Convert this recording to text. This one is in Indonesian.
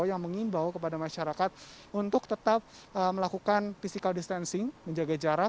yang mengimbau kepada masyarakat untuk tetap melakukan physical distancing menjaga jarak